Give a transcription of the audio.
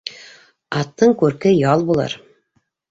Аттың күрке ял булыр.